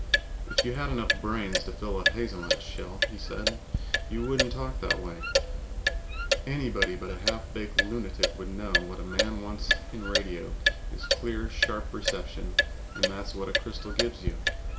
"If you had enough brains to fill a hazelnut shell," he said, "you wouldn't talk that way. Anybody but a half baked lunatic would know that what a man wants in radio is clear, sharp reception and that's what a crystal gives you.